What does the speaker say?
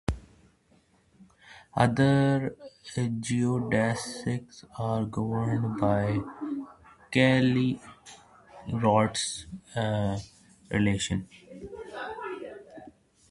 Other geodesics are governed by Clairaut's relation.